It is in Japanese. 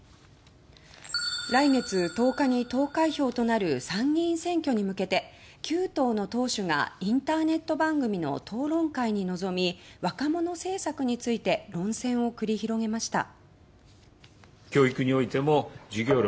来月１０日に投開票となる参議院選挙に向けて９党の党首がインターネット番組の討論会に臨み若者政策について論戦を繰り広げました。